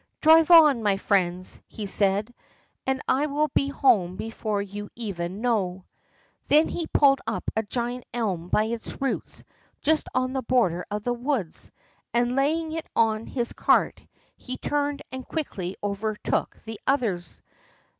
"Drive on, my friends," he said, "and I will be home before you even now." Then he pulled up a giant elm by its roots just on the border of the woods, and laying it on his cart, he turned and quickly overtook the others.